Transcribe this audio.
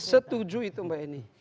setuju itu mbak ini